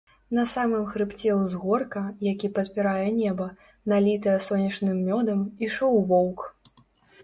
На самым хрыбце ўзгорка, які падпірае неба, налітае сонечным мёдам, ішоў воўк.